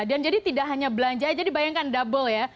dan jadi tidak hanya belanja aja dibayangkan double ya